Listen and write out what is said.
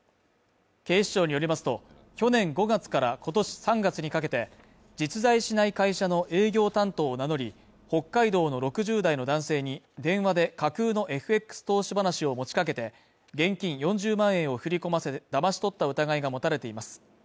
警視庁によりますと、去年５月から今年３月にかけて、実在しない会社の営業担当を名乗り、北海道の６０代の男性に電話で架空のＦＸ投資話を持ちかけて、現金４０万円を振り込ませ、だまし取った疑いが持たれています。